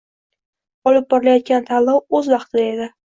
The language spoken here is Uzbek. Olib borilayotgan tanlov o‘z vaqtida edi.